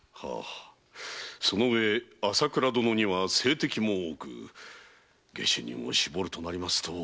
その上朝倉殿には政敵も多く下手人を絞るとなりますと。